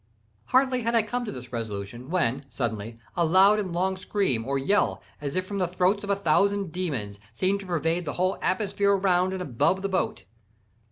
Hardly had I come to this resolution, when, suddenly, a loud and long scream or yell, as if from the throats of a thousand demons, seemed to pervade the whole atmosphere around and above the boat.